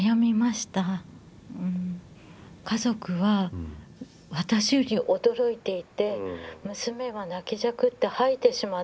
家族は私より驚いていて娘は泣きじゃくって吐いてしまったり。